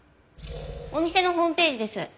お店のホームページです。